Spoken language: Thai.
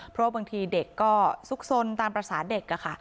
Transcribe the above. เพราะบางทีเด็กก็ซุกซนตามภาษาเด็กค่ะ